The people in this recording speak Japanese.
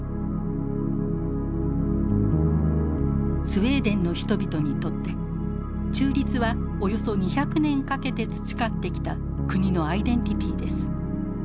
スウェーデンの人々にとって「中立」はおよそ２００年かけて培ってきた国のアイデンティティーです。